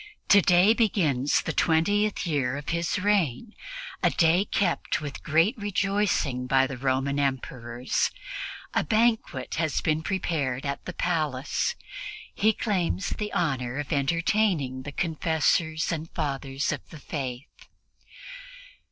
Today begins the twentieth year of his reign, a day kept with great rejoicing by the Roman Emperors. A banquet has been prepared at the palace; he claims the honor of entertaining the Confessors and Fathers of the Faith.